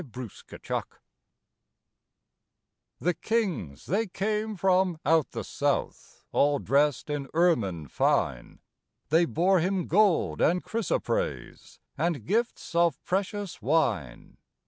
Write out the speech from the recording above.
Christmas Carol The kings they came from out the south, All dressed in ermine fine, They bore Him gold and chrysoprase, And gifts of precious wine.